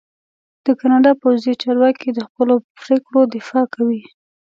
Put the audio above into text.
د کاناډا پوځي چارواکي د خپلو پرېکړو دفاع کوي.